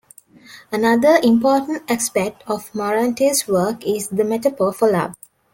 Another important aspect of Morante's work is the metaphor for love.